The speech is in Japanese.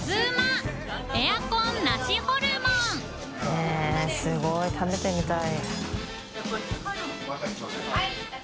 へぇっすごい食べてみたい。